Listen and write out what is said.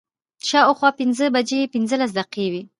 شا او خوا پنځه بجې پنځلس دقیقې وې.